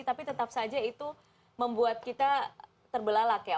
tapi tetap saja itu membuat kita terbelalak ya